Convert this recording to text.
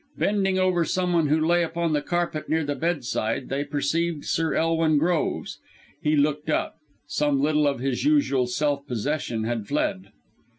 Bending over someone who lay upon the carpet near the bedside they perceived Sir Elwin Groves. He looked up. Some little of his usual self possession had fled.